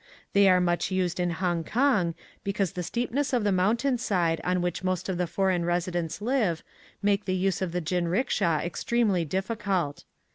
They are much used in Hong kong, because the steepness of the moun tain side on which most of the foreign residents live make the use of the jin ricksha extremely difficult.